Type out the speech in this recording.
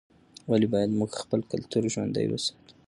ولې باید موږ خپل کلتور ژوندی وساتو؟